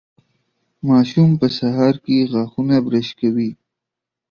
ماشوم په سهار کې غاښونه برش کوي.